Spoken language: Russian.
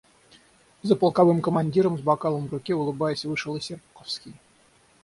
За полковым командиром с бокалом в руке, улыбаясь, вышел и Серпуховской.